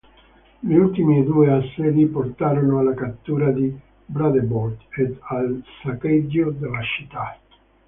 Gli ultimi due assedi portarono alla cattura di Bredevoort ed al saccheggio della città.